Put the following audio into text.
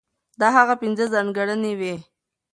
دا هغه پنځه ځانګړنې وې،